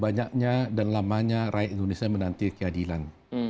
banyaknya dan lamanya rakyat indonesia menanti keadilan